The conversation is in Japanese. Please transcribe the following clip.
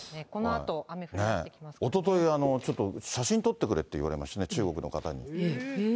そうですね、おととい、ちょっと写真撮ってくれって言われまして、中国の方に。